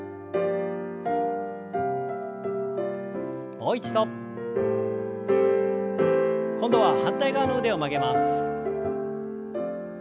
もう一度。今度は反対側の腕を曲げます。